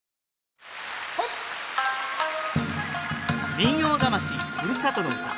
「民謡魂ふるさとの唄」